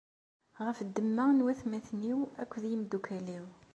Ɣef ddemma n watmaten-iw akked yimeddukal-iw.